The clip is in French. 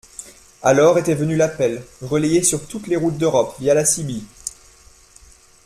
Alors était venu l’appel, relayé sur toutes les routes d’Europe via la cibi